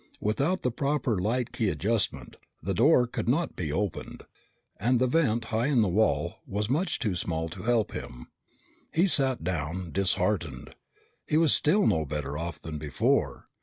Without the proper light key adjustment, the door could not be opened. And the vent high in the wall was much too small to help him. He sat down, disheartened. He was still no better off than before.